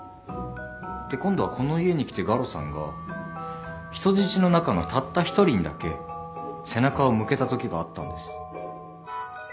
で今度はこの家に来てガロさんが人質の中のたった一人にだけ背中を向けたときがあったんです。